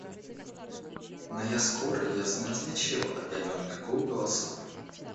Но я скоро ясно различил отдаленный гул голосов.